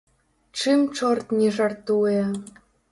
Чым чорт не жартуе!